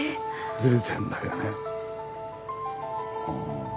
ずれてんだよね。